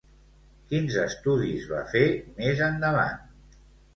Quins estudis va fer més endavant?